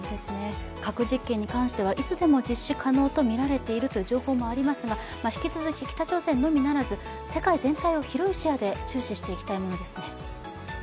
核実験に関してはいつでも実施可能とみられているという情報もありますが、引き続き北朝鮮のみならず世界全体を広い視野で注視していきたいものですね。